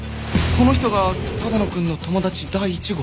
この人が只野くんの友達第１号？